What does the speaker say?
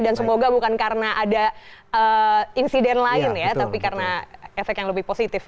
dan semoga bukan karena ada insiden lain ya tapi karena efek yang lebih positif